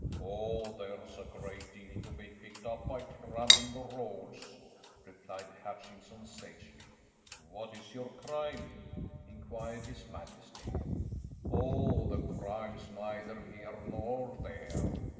"Oh there's a great deal to be picked up by tramping the roads," replied Hutchinson sagely. "What is your crime?" inquired his majesty. "Oh, the crime's neither here nor there.